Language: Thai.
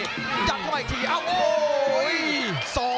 ยัดเข้ามาอีกทีโอ้โห